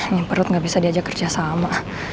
yang perut gak bisa di ajak kerja sama